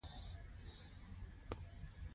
لمر له ختیځه راخيژي.